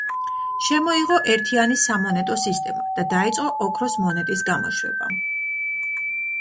შემოიღო ერთიანი სამონეტო სისტემა და დაიწყო ოქროს მონეტის გამოშვება.